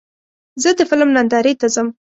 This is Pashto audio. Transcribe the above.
زه د فلم نندارې ته ځم.